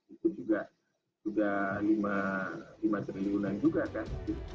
itu juga sudah lima triliunan juga kan